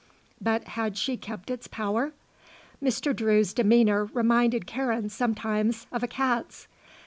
But had she kept its power? Mr. Drew's demeanour reminded Karen sometimes of a cat's.